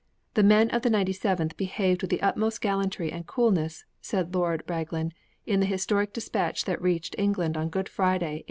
'The men of the Ninety seventh behaved with the utmost gallantry and coolness,' said Lord Raglan, in the historic dispatch that reached England on Good Friday, 1855.